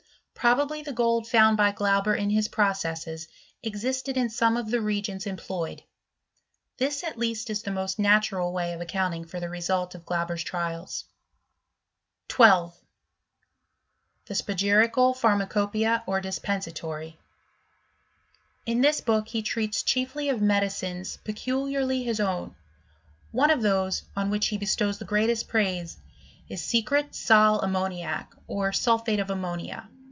Probably the gold found by Qanb^ in his processes existed in some of the reagents employ ed ; this, at least, is the most natural way of account ing for the result of Glauber*s trials. > 15. The spagyrical Pharmacopoeia, or Dispensatory. — In this book he treats chiefly of medicines pecuEarly his own ; one of those, on which he bestows the greatest praise, is secret seu ammaniacy or sulphate of ammo nia.